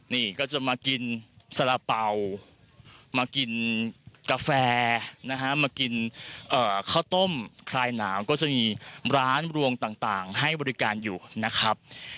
นี่ก็จะมากินสาระเป๋ามากินกาแฟนะฮะมากินข้าวต้มคลายหนาวก็จะมีร้านรวงต่างให้บริการอยู่นะครับ